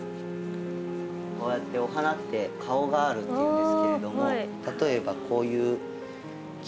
こうやってお花って「顔がある」っていうんですけれども例えばこういうキキョウやとですね